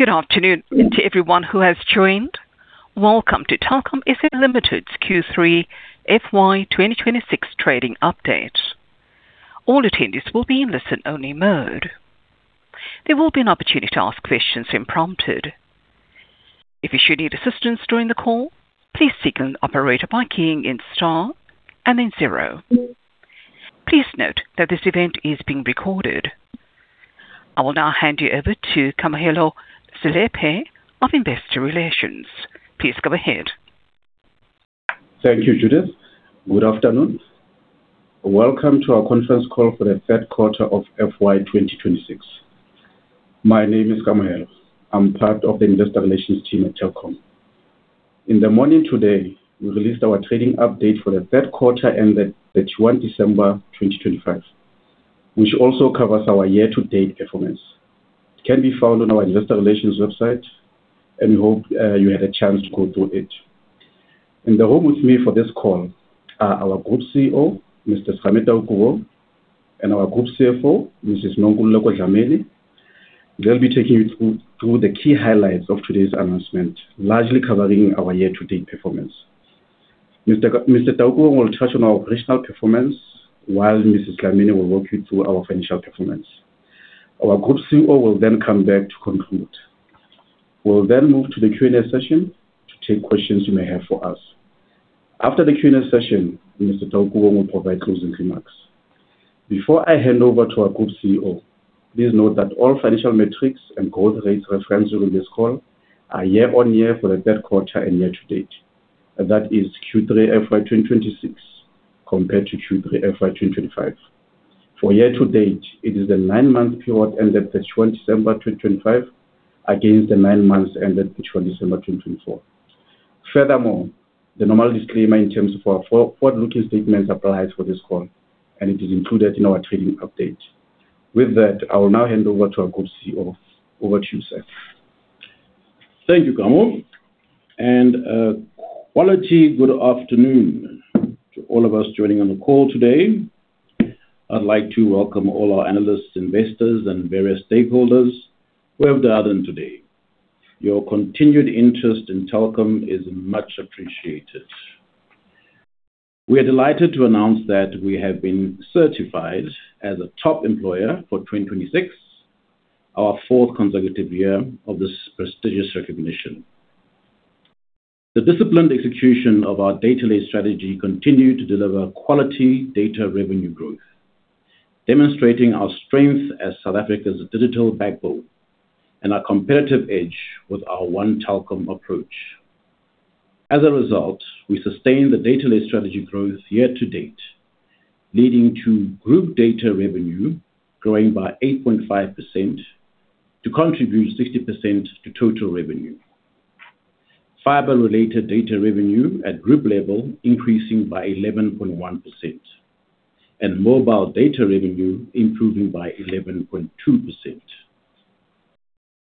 Goodafternoon to everyone who has joined. Welcome to Telkom SA Limited's Q3 FY 2026 trading update. All attendees will be in listen-only mode. There will be an opportunity to ask questions when prompted. If you should need assistance during the call, please seek an operator by keying in star and then zero. Please note that this event is being recorded. I will now hand you over to Kamohelo Selepe of Investor Relations. Please go ahead. Thank you, Judith. Good afternoon. Welcome to our conference call for the Q3 of FY 2026. My name is Kamohelo. I'm part of the Investor Relations team at Telkom. In the morning today, we released our trading update for the Q3, ended 20 December 2025, which also covers our year-to-date performance. It can be found on our Investor Relations website, and we hope you had a chance to go through it. In the room with me for this call are our Group CEO, Mr. Serame Taukobong, and our Group CFO, Mrs. Nonkululeko Dlamini. They'll be taking you through the key highlights of today's announcement, largely covering our year-to-date performance. Mr. Taukobong will touch on our operational performance, while Mrs. Dlamini will walk you through our financial performance. Our Group CEO will then come back to conclude. We'll then move to the Q&A session to take questions you may have for us. After the Q&A session, Mr. Taukobong will provide closing remarks. Before I hand over to our Group CEO, please note that all financial metrics and growth rates referenced during this call are year on year for the Q3 and year to date, and that is Q3 FY 2026, compared to Q3 FY 2025. For year to date, it is the nine-month period ended 20 December 2025, against the nine months ended 20 December 2024. Furthermore, the normal disclaimer in terms of our forward-looking statements applies for this call, and it is included in our trading update. With that, I will now hand over to our Group CEO. Over to you, Serame. Thank you, Kamo. And, good afternoon to all of us joining on the call today. I'd like to welcome all our analysts, investors, and various stakeholders who have dialed in today. Your continued interest in Telkom is much appreciated. We are delighted to announce that we have been certified as a top employer for 2026, our fourth consecutive year of this prestigious recognition. The disciplined execution of our data-led strategy continued to deliver quality data revenue growth, demonstrating our strength as South Africa's digital backbone and our competitive edge with our One Telkom approach. As a result, we sustained the data-led strategy growth year to date, leading to group data revenue growing by 8.5% to contribute 60% to total revenue. Fiber-related data revenue at group level increasing by 11.1%, and mobile data revenue improving by 11.2%.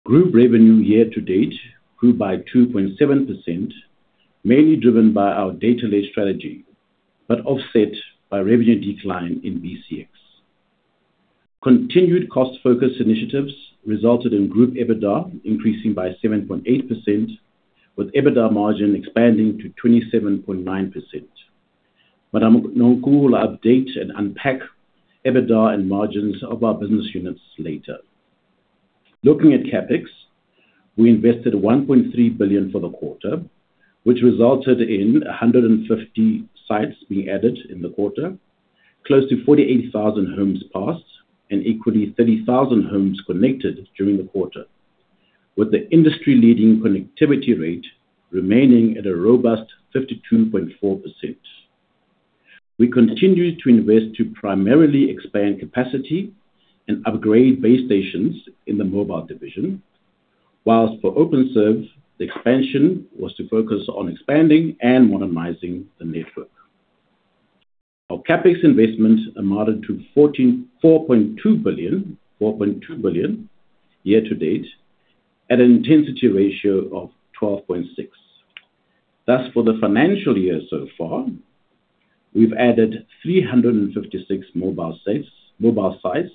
Group revenue year to date grew by 2.7%, mainly driven by our data-led strategy, but offset by revenue decline in BCX. Continued cost-focused initiatives resulted in group EBITDA increasing by 7.8%, with EBITDA margin expanding to 27.9%. Madam Nonkululeko will update and unpack EBITDA and margins of our business units later. Looking at CapEx, we invested 1.3 billion for the quarter, which resulted in 150 sites being added in the quarter, close to 48,000 homes passed, and equally, 30,000 homes connected during the quarter, with the industry-leading connectivity rate remaining at a robust 52.4%. We continued to invest to primarily expand capacity and upgrade base stations in the mobile division. Whilst for Openserve, the expansion was to focus on expanding and modernizing the network. Our CapEx investments amounted to 4.2 billion year to date, at an intensity ratio of 12.6. Thus, for the financial year so far, we've added 356 mobile sites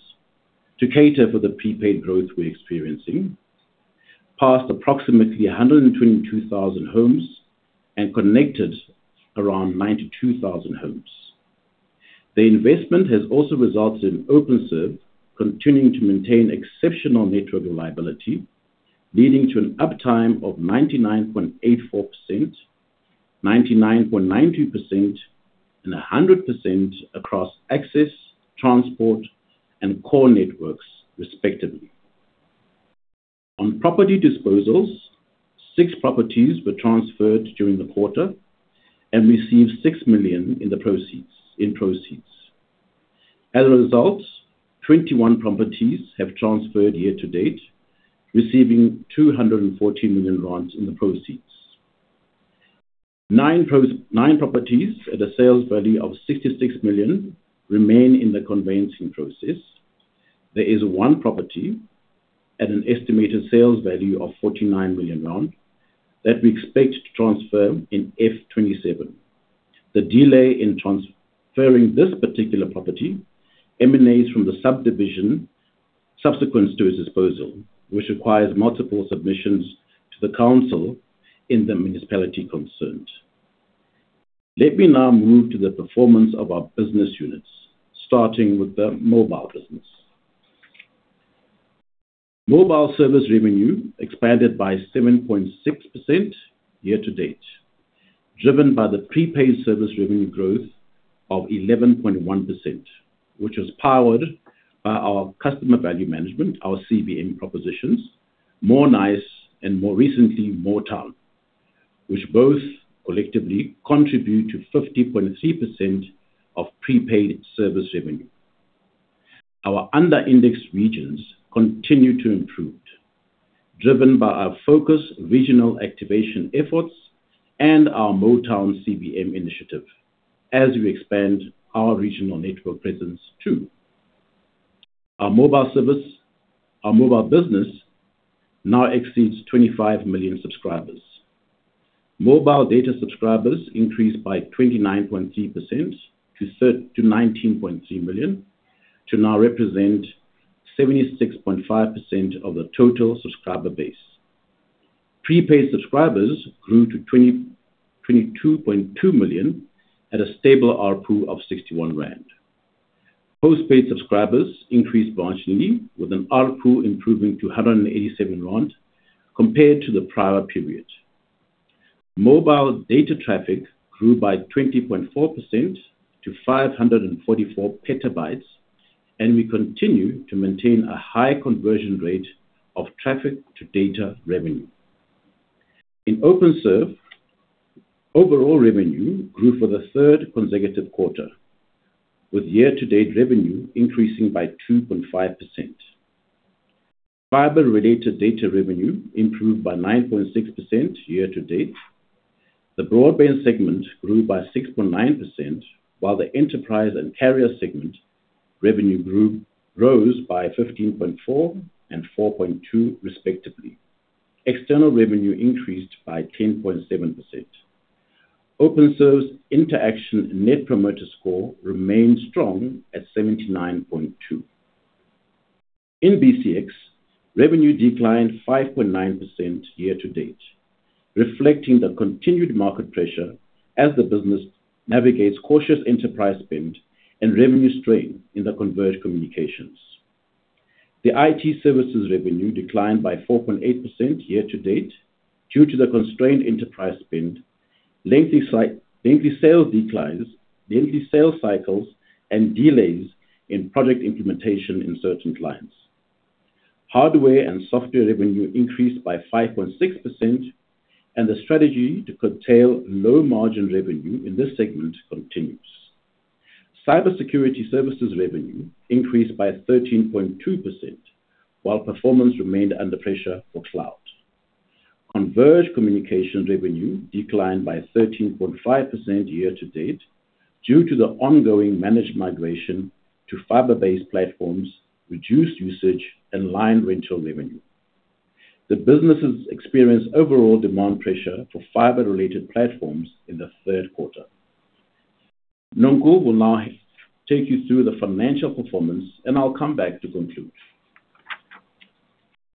to cater for the prepaid growth we're experiencing, passed approximately 122,000 homes, and connected around 92,000 homes. The investment has also resulted in Openserve continuing to maintain exceptional network reliability, leading to an uptime of 99.84%, 99.90%, and 100% across access, transport, and core networks, respectively. On property disposals, six properties were transferred during the quarter and received 6 million in the proceeds. As a result, 21 properties have transferred year to date, receiving 214 million rand in the proceeds. Nine properties at a sales value of 66 million remain in the conveyancing process. There is one property at an estimated sales value of 49 million rand that we expect to transfer in FY 2027. The delay in transferring this particular property emanates from the subdivision subsequent to its disposal, which requires multiple submissions to the council in the municipality concerned. Let me now move to the performance of our business units, starting with the mobile business. Mobile service revenue expanded by 7.6% year-to-date, driven by the prepaid service revenue growth of 11.1%, which is powered by our customer value management, our CVM propositions, Mo'Nice and, more recently, Mo'Town, which both collectively contribute to 50.3% of prepaid service revenue. Our under-indexed regions continue to improve, driven by our focused regional activation efforts and our Mo'Town CVM initiative as we expand our regional network presence, too. Our mobile service, our mobile business now exceeds 25 million subscribers. Mobile data subscribers increased by 29.3% to 19.3 million, to now represent 76.5% of the total subscriber base. Prepaid subscribers grew to 22.2 million at a stable ARPU of 61 rand. Postpaid subscribers increased marginally, with an ARPU improving to 187 rand compared to the prior period. Mobile data traffic grew by 20.4% to 544 PB, and we continue to maintain a high conversion rate of traffic to data revenue. In Openserve, overall revenue grew for the third consecutive quarter, with year-to-date revenue increasing by 2.5%. Fibre-related data revenue improved by 9.6% year to date. The broadband segment grew by 6.9%, while the enterprise and carrier segment revenue rose by 15.4% and 4.2% respectively. External revenue increased by 10.7%. Openserve's interaction Net Promoter Score remains strong at 79.2. In BCX, revenue declined 5.9% year to date, reflecting the continued market pressure as the business navigates cautious enterprise spend and revenue strain in the converged communications. The IT services revenue declined by 4.8% year to date, due to the constrained enterprise spend, lengthy sales cycles, and delays in project implementation in certain clients. Hardware and software revenue increased by 5.6%, and the strategy to curtail low margin revenue in this segment continues. Cybersecurity services revenue increased by 13.2%, while performance remained under pressure for cloud. Converged communication revenue declined by 13.5% year to date, due to the ongoing managed migration to fiber-based platforms, reduced usage and line rental revenue. The businesses experienced overall demand pressure for fiber-related platforms in the Q3. Nonkululeko will now take you through the financial performance, and I'll come back to conclude.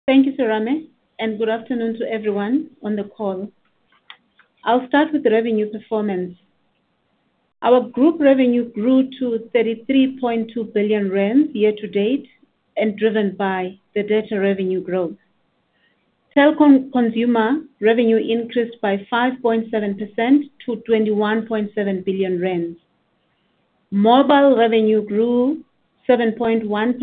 Thank you, Serame, and good afternoon to everyone on the call. I'll start with the revenue performance. Our group revenue grew to 33.2 billion rand year to date, and driven by the data revenue growth. Telkom Consumer revenue increased by 5.7% to 21.7 billion rand. Mobile revenue grew 7.1%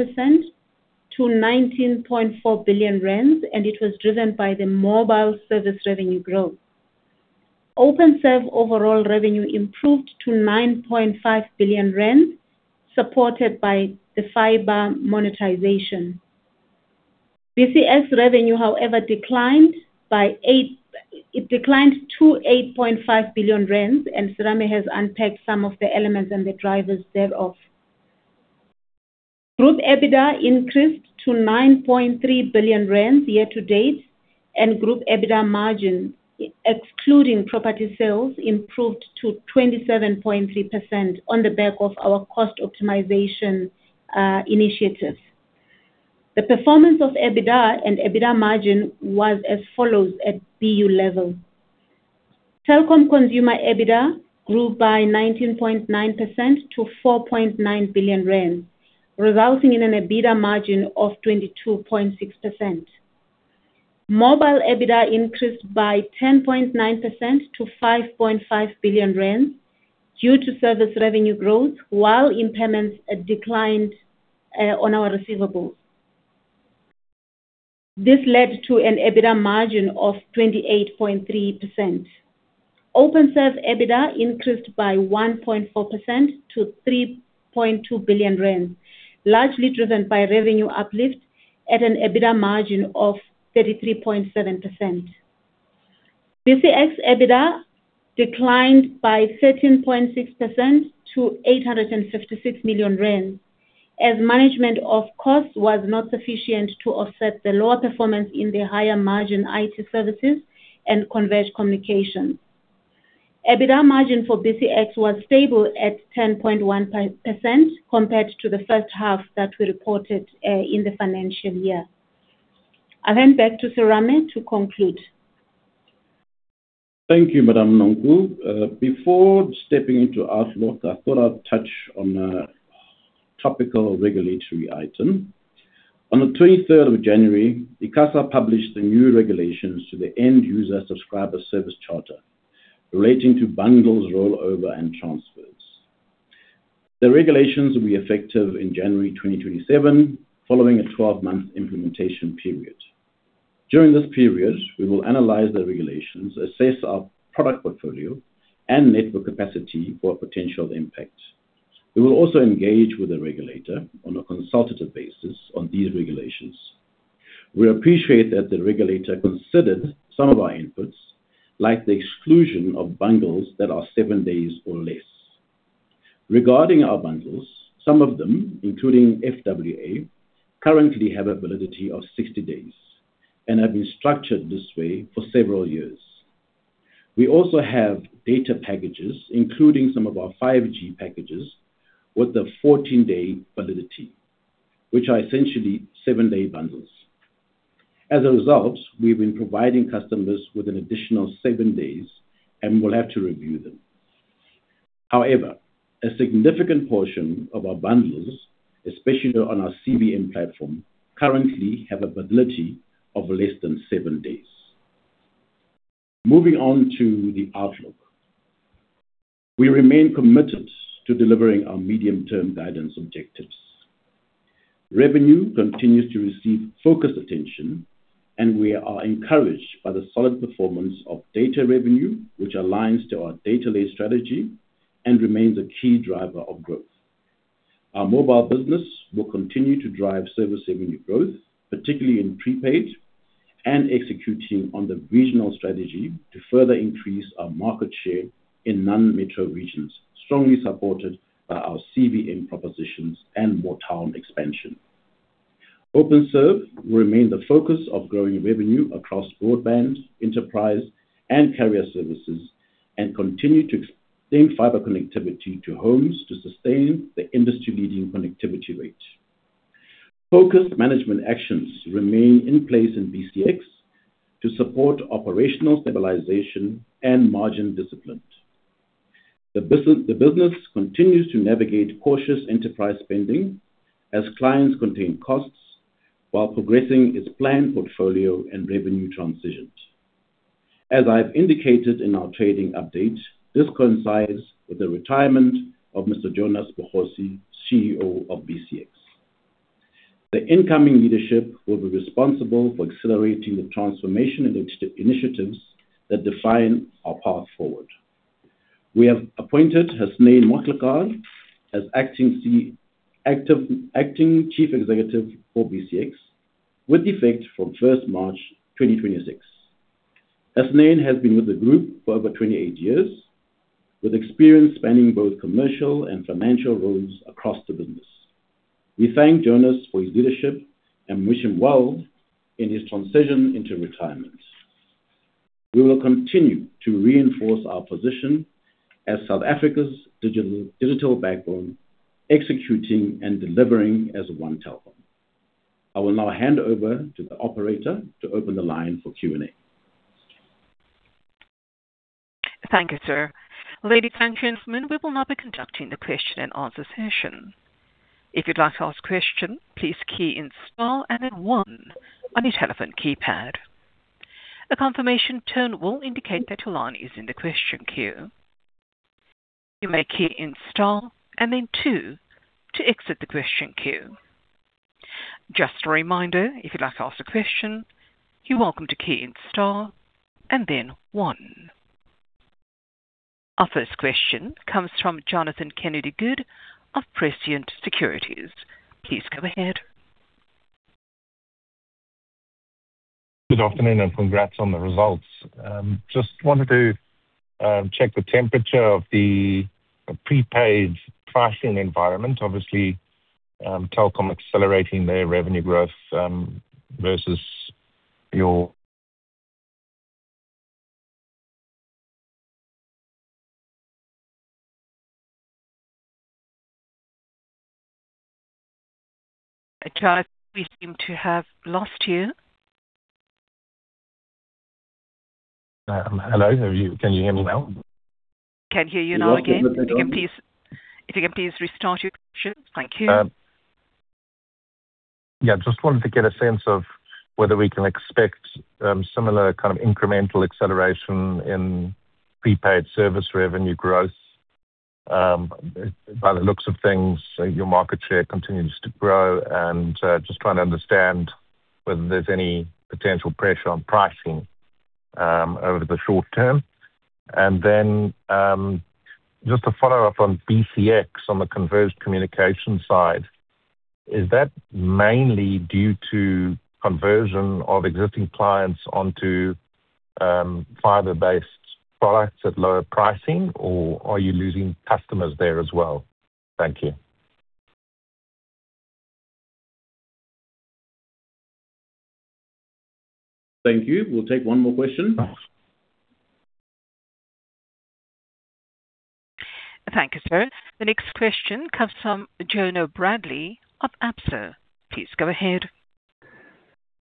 to 19.4 billion rand, and it was driven by the mobile service revenue growth. Openserve overall revenue improved to 9.5 billion rand, supported by the fiber monetization. BCX revenue, however, declined. It declined to 8.5 billion rand, and Serame has unpacked some of the elements and the drivers thereof. Group EBITDA increased to 9.3 billion rand year to date, and group EBITDA margin, excluding property sales, improved to 27.3% on the back of our cost optimization initiatives. The performance of EBITDA and EBITDA margin was as follows at BU level: Telkom Consumer EBITDA grew by 19.9% to 4.9 billion rand, resulting in an EBITDA margin of 22.6%. Mobile EBITDA increased by 10.9% to 5.5 billion rand due to service revenue growth, while impairments declined on our receivables. This led to an EBITDA margin of 28.3%. Openserve's EBITDA increased by 1.4% to 3.2 billion rand, largely driven by revenue uplift at an EBITDA margin of 33.7%. BCX EBITDA declined by 13.6% to 856 million rand, as management of cost was not sufficient to offset the lower performance in the higher margin IT services and converged communications. EBITDA margin for BCX was stable at 10.1% compared to the first half that we reported in the financial year. I hand back to Serame to conclude. Thank you, Madam Nonku. Before stepping into outlook, I thought I'd touch on a topical regulatory item. On the twenty-third of January, ICASA published the new regulations to the end-user subscriber service charter relating to bundles, rollover, and transfers. The regulations will be effective in January 2027, following a 12-month implementation period. During this period, we will analyze the regulations, assess our product portfolio and network capacity for potential impact. We will also engage with the regulator on a consultative basis on these regulations. We appreciate that the regulator considered some of our inputs, like the exclusion of bundles that are seven days or less. Regarding our bundles, some of them, including FWA, currently have a validity of 60 days and have been structured this way for several years. We also have data packages, including some of our 5G packages, with a 14-day validity, which are essentially 7-day bundles. As a result, we've been providing customers with an additional 7 days, and we'll have to review them. However, a significant portion of our bundles, especially on our CVM platform, currently have a validity of less than 7 days. Moving on to the outlook. We remain committed to delivering our medium-term guidance objectives. Revenue continues to receive focused attention, and we are encouraged by the solid performance of data revenue, which aligns to our data-led strategy and remains a key driver of growth. Our mobile business will continue to drive service revenue growth, particularly in prepaid and executing on the regional strategy to further increase our market share in non-metro regions, strongly supported by our CVM propositions and Vodacom expansion. Openserve will remain the focus of growing revenue across broadband, enterprise, and carrier services, and continue to extend fiber connectivity to homes to sustain the industry-leading connectivity rate. Focused management actions remain in place in BCX to support operational stabilization and margin discipline. The business continues to navigate cautious enterprise spending as clients contain costs while progressing its planned portfolio and revenue transitions. As I've indicated in our trading update, this coincides with the retirement of Mr. Jonas Bogoshi, CEO of BCX. The incoming leadership will be responsible for accelerating the transformation initiatives that define our path forward. We have appointed Hasnain Motlekar as acting chief executive for BCX, with effect from 1 March 2026. Hasnain has been with the group for over 28 years, with experience spanning both commercial and financial roles across the business. We thank Jonas for his leadership and wish him well in his transition into retirement. We will continue to reinforce our position as South Africa's digital, digital backbone, executing and delivering as One Telkom. I will now hand over to the operator to open the line for Q&A. Thank you, sir. Ladies and gentlemen, we will now be conducting the question and answer session. If you'd like to ask a question, please key in star and then one on your telephone keypad. A confirmation tone will indicate that your line is in the question queue. You may key in star and then two to exit the question queue. Just a reminder, if you'd like to ask a question, you're welcome to key in star and then one. Our first question comes from Jonathan Kennedy-Good of Prescient Securities. Please go ahead. Good afternoon, and congrats on the results. Just wanted to check the temperature of the prepaid pricing environment. Obviously, Telkom accelerating their revenue growth, versus your- Jonathan, we seem to have lost you. Hello, have you... Can you hear me now? Can hear you now again. If you can please, if you can please restart your question. Thank you. Yeah, just wanted to get a sense of whether we can expect similar kind of incremental acceleration in prepaid service revenue growth. By the looks of things, your market share continues to grow, and just trying to understand whether there's any potential pressure on pricing over the short term. And then, just to follow up on BCX, on the converged communication side, is that mainly due to conversion of existing clients onto fiber-based products at lower pricing, or are you losing customers there as well? Thank you. Thank you. We'll take one more question. Thank you, sir. The next question comes from Jonathan Bradley of Absa. Please go ahead.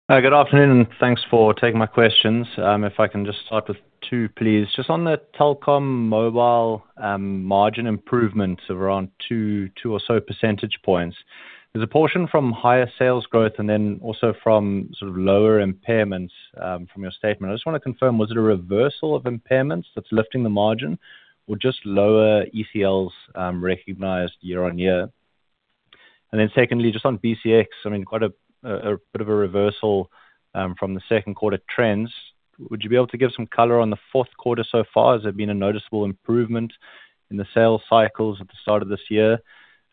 Good afternoon, and thanks for taking my questions. If I can just start with two, please. Just on the Telkom Mobile, margin improvement of around two or so percentage points. There's a portion from higher sales growth and then also from sort of lower impairments, from your statement. I just wanna confirm, was it a reversal of impairments that's lifting the margin or just lower ECLs, recognized year-on-year? And then secondly, just on BCX, I mean, quite a bit of a reversal, from the Q2 trends. Would you be able to give some color on the Q4 so far? Has there been a noticeable improvement in the sales cycles at the start of this year?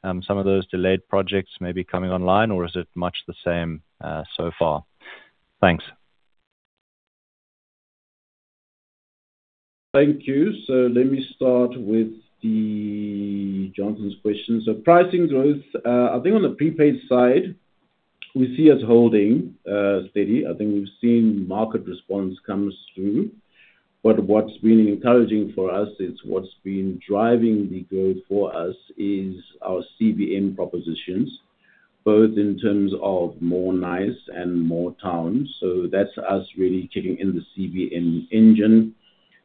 Some of those delayed projects may be coming online, or is it much the same, so far? Thanks. Thank you. So let me start with the Jonathan's question. So pricing growth, I think on the prepaid side, we see it holding steady. I think we've seen market response comes through, but what's been encouraging for us is what's been driving the growth for us is our CVM propositions, both in terms of Mo'Nice and Mo'Town. So that's us really kicking in the CVM engine.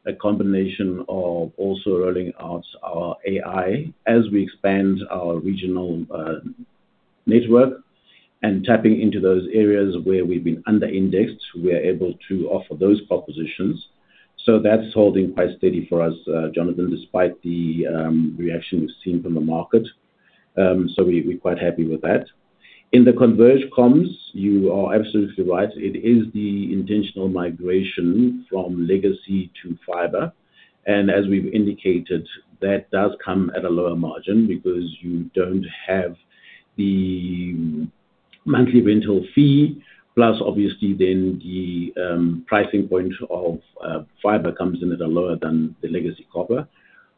A combination of also rolling out our 5G as we expand our regional network and tapping into those areas where we've been under-indexed, we are able to offer those propositions. So that's holding quite steady for us, Jonathan, despite the reaction we've seen from the market. So we, we're quite happy with that. In the converged comms, you are absolutely right. It is the intentional migration from legacy to fiber, and as we've indicated, that does come at a lower margin because you don't have the monthly rental fee. Plus, obviously then the pricing point of fiber comes in at a lower than the legacy copper.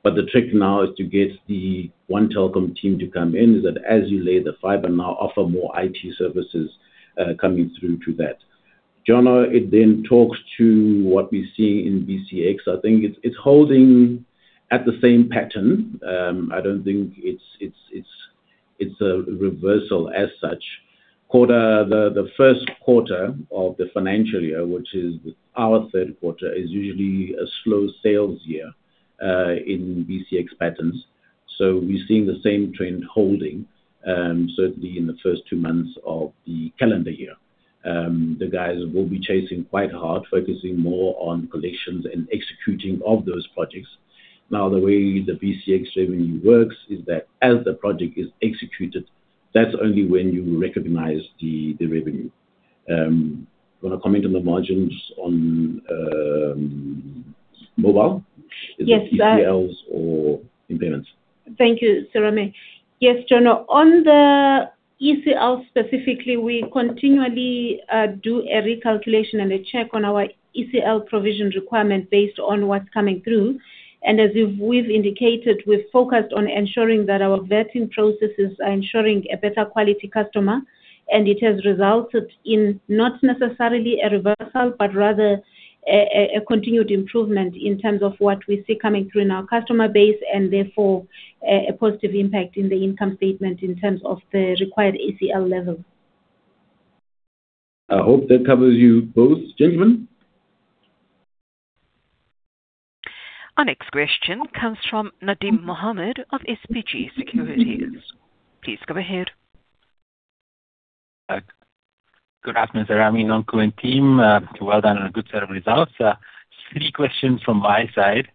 But the trick now is to get the Telkom team to come in, is that as you lay the fiber now offer more IT services coming through to that. Jonathan, it then talks to what we're seeing in BCX. I think it's holding at the same pattern. I don't think it's a reversal as such. The Q1 of the financial year, which is our Q3, is usually a slow sales year in BCX patterns. So we're seeing the same trend holding, certainly in the first two months of the calendar year. The guys will be chasing quite hard, focusing more on collections and executing of those projects. Now, the way the BCX revenue works is that as the project is executed, that's only when you recognize the revenue. You wanna comment on the margins on mobile? Yes. ECL or impairments. Thank you, Serame. Yes, Jonathan, on the ECL specifically, we continually do a recalculation and a check on our ECL provision requirement based on what's coming through. And as we've indicated, we've focused on ensuring that our vetting processes are ensuring a better quality customer, and it has resulted in not necessarily a reversal, but rather a continued improvement in terms of what we see coming through in our customer base, and therefore, a positive impact in the income statement in terms of the required ECL level. I hope that covers you both, gentlemen. Our next question comes from Nadim Mohamed of SBG Securities. Please go ahead. Good afternoon, Serame, Nonku, and team. Well done on a good set of results. Three questions from my side.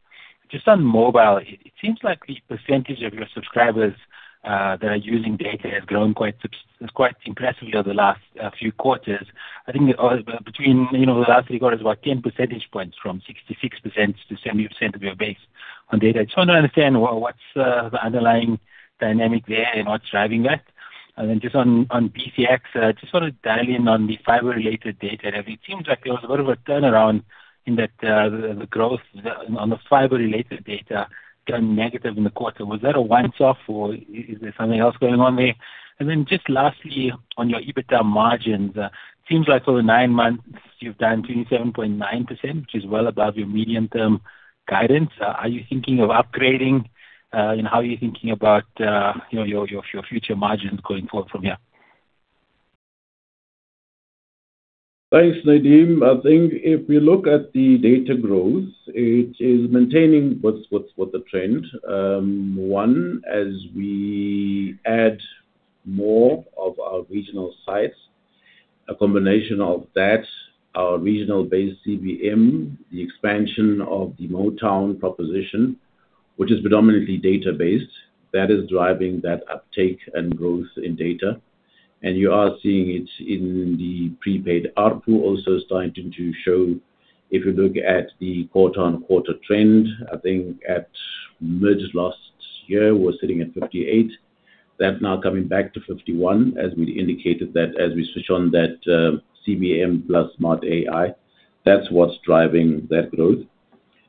Just on mobile, it seems like the percentage of your subscribers that are using data has grown quite impressively over the last few quarters. I think, between, you know, the last three quarters, about 10 percentage points, from 66% to 70% of your base on data. Just want to understand what's the underlying dynamic there and what's driving that? Then just on BCX, just want to dial in on the fiber-related data. It seems like there was a bit of a turnaround in that, the growth on the fiber-related data turned negative in the quarter. Was that a once off, or is there something else going on there? And then just lastly, on your EBITDA margins, seems like over the nine months you've done 27.9%, which is well above your medium-term guidance. Are you thinking of upgrading, and how are you thinking about, you know, your, your, your future margins going forward from here? Thanks, Nadeem. I think if we look at the data growth, it is maintaining what's the trend. As we add more of our regional sites, a combination of that, our regional-based CVM, the expansion of the Mo'Town proposition, which is predominantly data-based, that is driving that uptake and growth in data. And you are seeing it in the prepaid ARPU, also starting to show if you look at the quarter-on-quarter trend. I think at mid last year, we were sitting at 58. That's now coming back to 51, as we indicated that as we switch on that CVM plus Smart AI, that's what's driving that growth.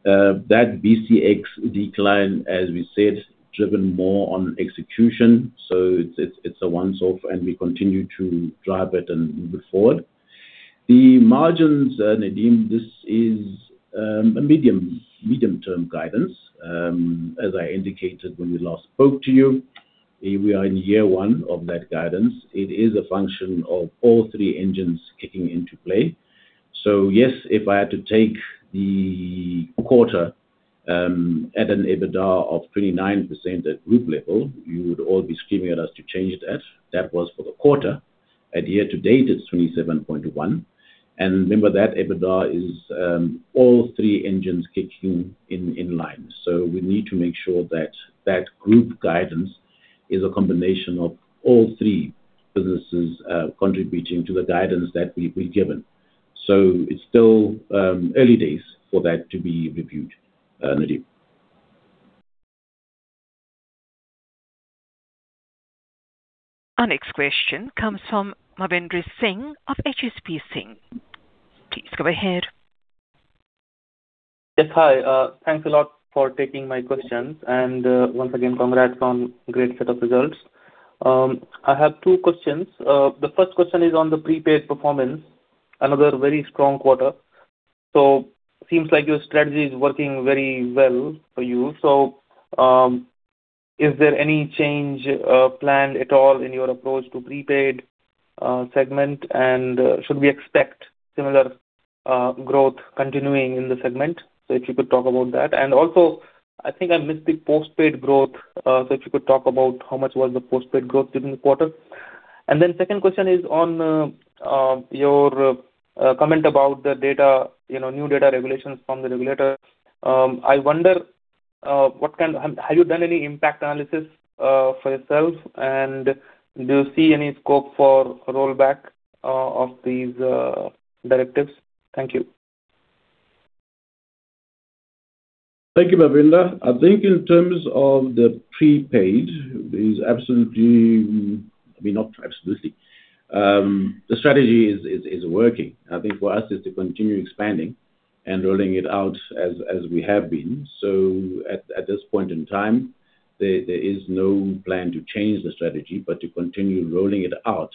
That BCX decline, as we said, driven more on execution, so it's a once off, and we continue to drive it and move forward. The margins, Nadim, this is a medium-term guidance. As I indicated when we last spoke to you, we are in year one of that guidance. It is a function of all three engines kicking into play. So yes, if I had to take the quarter, at an EBITDA of 29% at group level, you would all be screaming at us to change that. That was for the quarter. At year to date, it's 27.1, and remember that EBITDA is, all three engines kicking in, in line. So we need to make sure that that group guidance is a combination of all three businesses, contributing to the guidance that we've been given. So it's still, early days for that to be reviewed, Nadim. Our next question comes from Manvendra Singh of HSBC. Please go ahead. Yes, hi. Thanks a lot for taking my questions, and, once again, congrats on great set of results. I have two questions. The first question is on the prepaid performance, another very strong quarter. So seems like your strategy is working very well for you. So, is there any change planned at all in your approach to prepaid segment? And, should we expect similar growth continuing in the segment? So if you could talk about that. And also, I think I missed the postpaid growth. So if you could talk about how much was the postpaid growth during the quarter. And then second question is on, your comment about the data, you know, new data regulations from the regulator. I wonder, what kind... Have you done any impact analysis for yourself? Do you see any scope for rollback of these directives? Thank you. Thank you, Mavendra. I think in terms of the prepaid is absolutely, maybe not absolutely, the strategy is working. I think for us is to continue expanding and rolling it out as we have been. So at this point in time, there is no plan to change the strategy, but to continue rolling it out.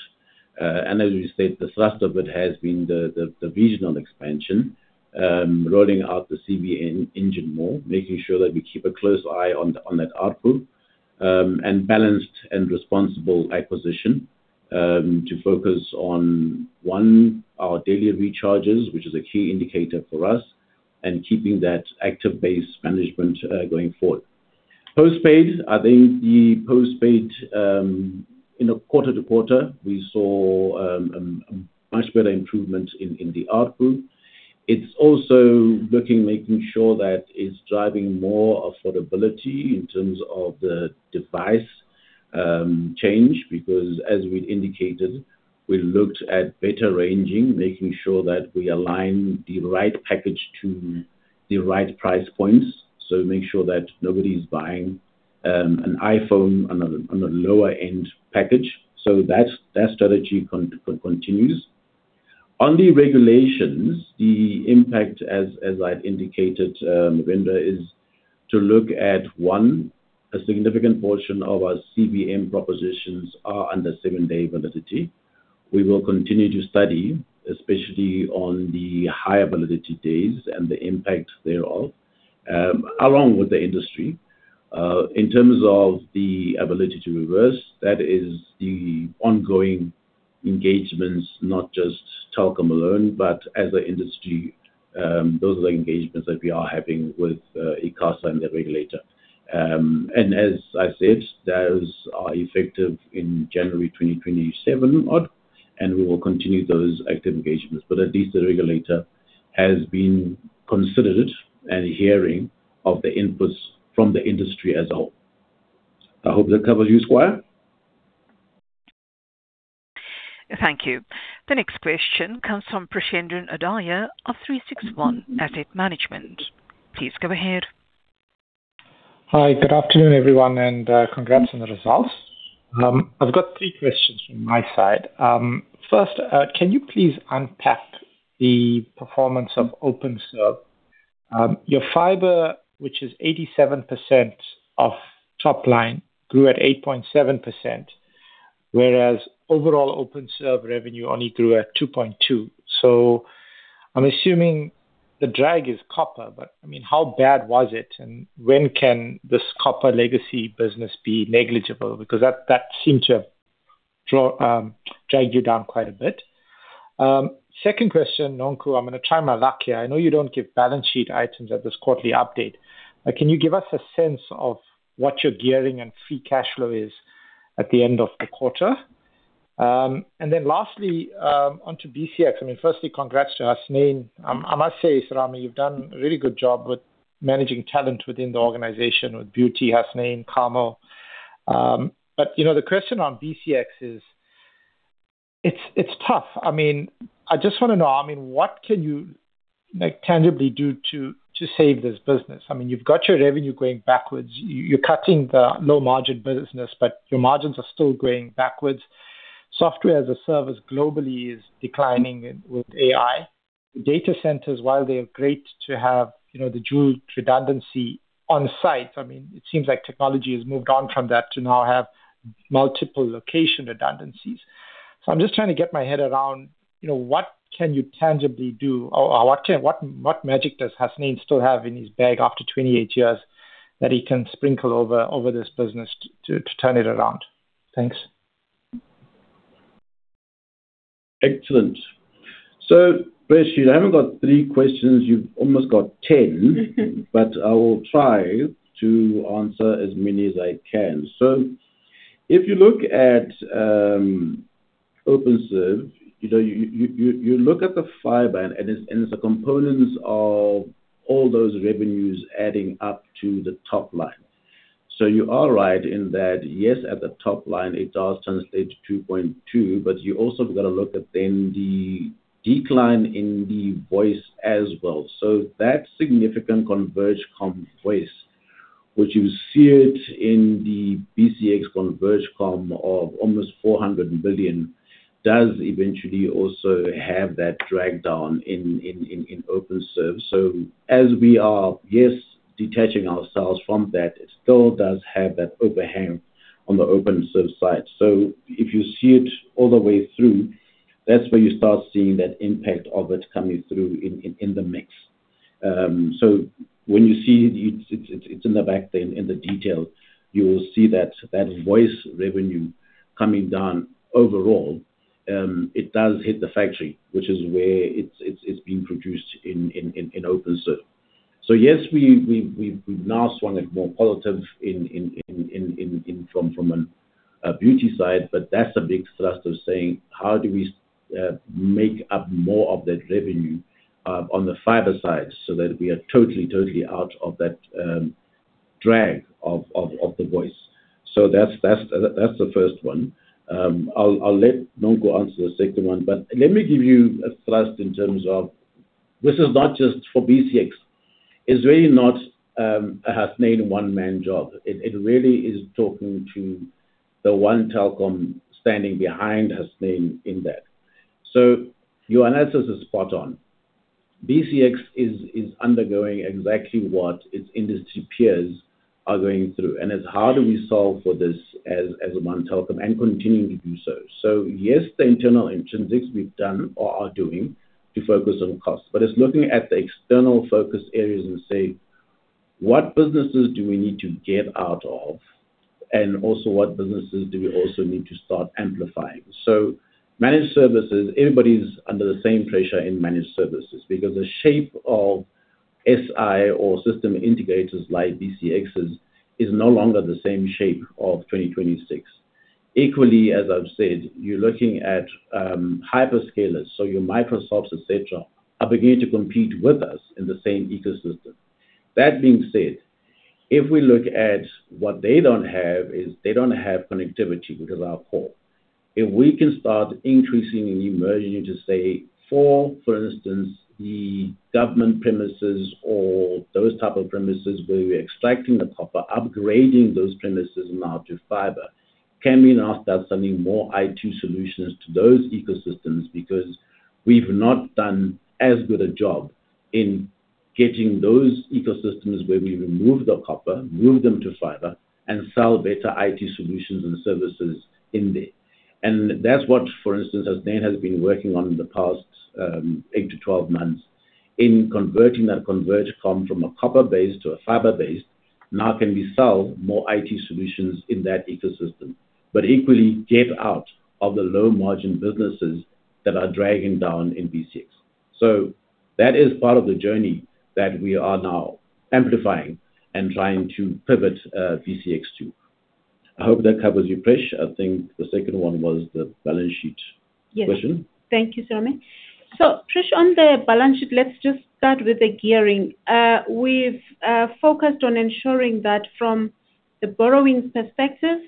And as we said, the thrust of it has been the regional expansion, rolling out the CVM engine more, making sure that we keep a close eye on that output, and balanced and responsible acquisition, to focus on one, our daily recharges, which is a key indicator for us, and keeping that active base management going forward. Postpaid, I think the postpaid, you know, quarter to quarter, we saw much better improvement in the output. It's also looking, making sure that it's driving more affordability in terms of the device change, because as we indicated, we looked at better ranging, making sure that we align the right package to the right price points. So make sure that nobody's buying an iPhone on a lower-end package. So that strategy continues. On the regulations, the impact as I've indicated, Mavendra, is to look at, one, a significant portion of our CBM propositions are under seven-day validity. We will continue to study, especially on the high validity days and the impact thereof, along with the industry. In terms of the ability to reverse, that is the ongoing engagements, not just Telkom alone, but as an industry. Those are the engagements that we are having with ICASA and the regulator. As I said, those are effective in January 2027 odd, and we will continue those active engagements. At least the regulator has been considered and hearing of the inputs from the industry as a whole. I hope that covers you, squire? Thank you. The next question comes from Preshendran Odayar of 36One Asset Management. Please go ahead. Hi, good afternoon, everyone, and congrats on the results. I've got three questions from my side. First, can you please unpack the performance of Openserve? Your fiber, which is 87% of top line, grew at 8.7%, whereas overall Openserve revenue only grew at 2.2. So I'm assuming the drag is copper, but, I mean, how bad was it? And when can this copper legacy business be negligible? Because that seemed to have dragged you down quite a bit. Second question, Nonku, I'm gonna try my luck here. I know you don't give balance sheet items at this quarterly update. Can you give us a sense of what your gearing and free cash flow is at the end of the quarter? And then lastly, onto BCX. I mean, firstly, congrats to Hasnain. I must say, Serame, you've done a really good job with managing talent within the organization with Buti, Hasnain, Kamo. But you know, the question on BCX is. It's tough. I mean, I just wanna know, I mean, what can you, like, tangibly do to save this business? I mean, you've got your revenue going backwards. You're cutting the low-margin business, but your margins are still going backwards. Software as a service globally is declining with AI. Data centers, while they are great to have, you know, the dual redundancy on site, I mean, it seems like technology has moved on from that to now have multiple location redundancies. I'm just trying to get my head around, you know, what can you tangibly do, or, or what can, what, what magic does Hasnain still have in his bag after 28 years that he can sprinkle over, over this business to, to, to turn it around? Thanks. Excellent. So, Presh, you haven't got three questions, you've almost got ten. But I will try to answer as many as I can. So if you look at Openserve, you know, you look at the fiber and it's the components of all those revenues adding up to the top line. So you are right in that, yes, at the top line, it does translate to 2.2, but you also have got to look at then the decline in the voice as well. So that significant converged comm voice, which you see it in the BCX converged comm of almost 400 billion, does eventually also have that drag down in Openserve. So as we are, yes, detaching ourselves from that, it still does have that overhang on the Openserve side. So if you see it all the way through, that's where you start seeing that impact of it coming through in the mix. So when you see it, it's in the backend, in the detail, you will see that voice revenue coming down overall, it does hit the factory, which is where it's being produced in Openserve. So, yes, we've now swung it more positive in from a B2B side, but that's a big thrust of saying how do we make up more of that revenue on the fiber side so that we are totally out of that drag of the voice. So that's the first one. I'll let Nonku answer the second one. But let me give you a thrust in terms of this is not just for BCX. It's really not a Hasnain one-man job. It really is talking to the one Telkom standing behind Hasnain in that. So your analysis is spot on. BCX is undergoing exactly what its industry peers are going through, and it's how do we solve for this as one Telkom and continuing to do so. So, yes, the internal intrinsics we've done or are doing to focus on costs, but it's looking at the external focus areas and say: What businesses do we need to get out of? And also, what businesses do we also need to start amplifying? So managed services, everybody's under the same pressure in managed services because the shape of SI or system integrators like BCX's is no longer the same shape of 2026. Equally, as I've said, you're looking at, hyperscalers, so your Microsofts, et cetera, are beginning to compete with us in the same ecosystem. That being said, if we look at what they don't have, is they don't have connectivity, which is our core. If we can start increasing and emerging to say 4, for instance, the government premises or those type of premises where we're extracting the copper, upgrading those premises now to fiber, can we now start selling more IT solutions to those ecosystems? Because we've not done as good a job in getting those ecosystems where we remove the copper, move them to fiber, and sell better IT solutions and services in there. And that's what, for instance, Hasnain has been working on in the past, 8-12 months in converting that converged comm from a copper base to a fiber base. Now, can we sell more IT solutions in that ecosystem, but equally get out of the low-margin businesses that are dragging down in BCX? So that is part of the journey that we are now amplifying and trying to pivot, BCX to. I hope that covers you, Prash. I think the second one was the balance sheet- Yes. Question? Thank you, Serame. So Prash, on the balance sheet, let's just start with the gearing. We've focused on ensuring that from the borrowing perspective,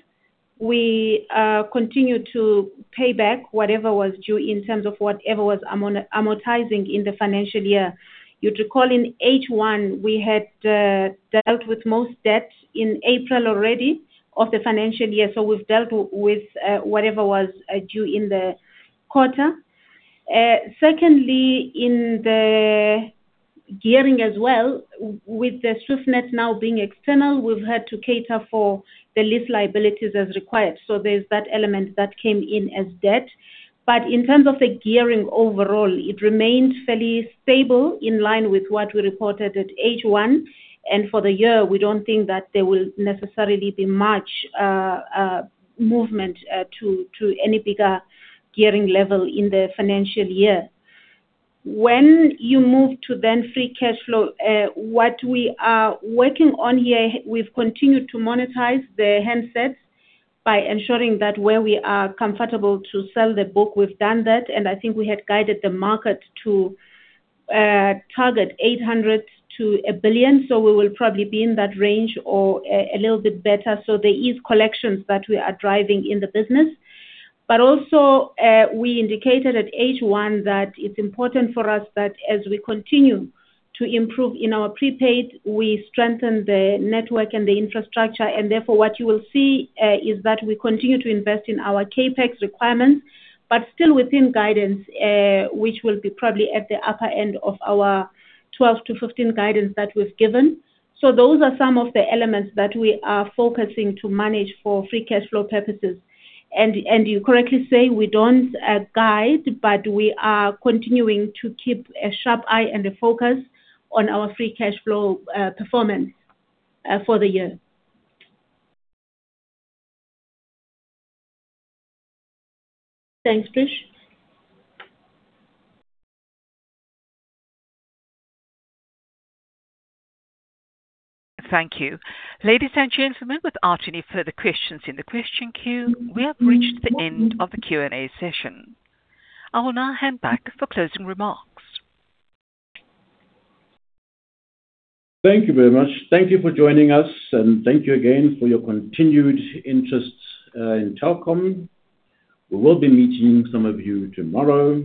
we continued to pay back whatever was due in terms of whatever was amortizing in the financial year. You'd recall in H1, we had dealt with most debt in April already of the financial year, so we've dealt with whatever was due in the quarter. Secondly, in the gearing as well, with the Swiftnet now being external, we've had to cater for the lease liabilities as required, so there's that element that came in as debt. But in terms of the gearing overall, it remained fairly stable in line with what we reported at H1, and for the year, we don't think that there will necessarily be much movement to any bigger gearing level in the financial year. When you move to then free cash flow, what we are working on here, we've continued to monetize the handsets by ensuring that where we are comfortable to sell the book, we've done that, and I think we had guided the market to target 800 million-1 billion. So we will probably be in that range or a little bit better. So there is collections that we are driving in the business. But also, we indicated at H1 that it's important for us that as we continue to improve in our prepaid, we strengthen the network and the infrastructure, and therefore, what you will see is that we continue to invest in our CapEx requirements, but still within guidance, which will be probably at the upper end of our 12-15 guidance that we've given. So those are some of the elements that we are focusing to manage for free cash flow purposes. And, and you correctly say we don't guide, but we are continuing to keep a sharp eye and a focus on our free cash flow performance for the year. Thanks, Presh. Thank you. Ladies and gentlemen, without any further questions in the question queue, we have reached the end of the Q&A session. I will now hand back for closing remarks. Thank you very much. Thank you for joining us, and thank you again for your continued interest in Telkom. We will be meeting some of you tomorrow,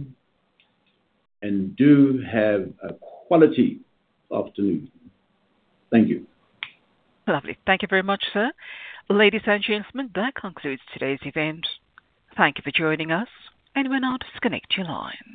and do have a quality afternoon. Thank you. Lovely. Thank you very much, sir. Ladies and gentlemen, that concludes today's event. Thank you for joining us, and we'll now disconnect your lines.